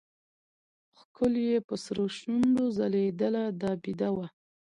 ښکل يې په سرو شونډو ځلېدله دا بېده وه.